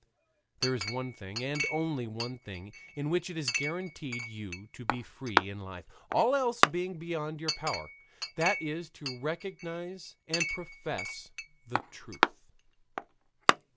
There is one thing, and only one thing, in which it is granted to you to be free in life, all else being beyond your power: that is to recognize and profess the truth.